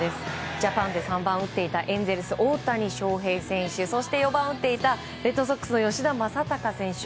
ジャパンで３番を打っていたエンゼルス、大谷翔平選手そして、４番を打っていたレッドソックスの吉田正尚選手。